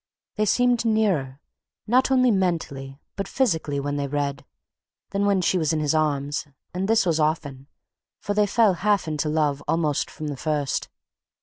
They seemed nearer, not only mentally, but physically, when they read, than when she was in his arms, and this was often, for they fell half into love almost from the first.